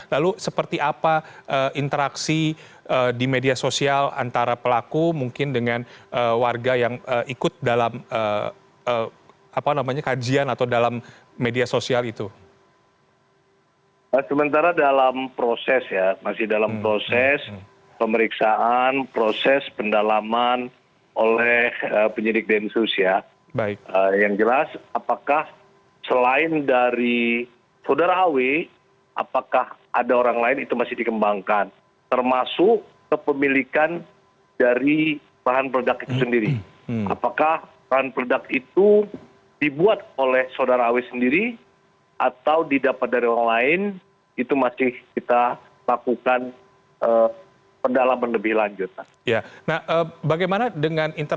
kami akan mencari penangkapan teroris di wilayah hukum sleman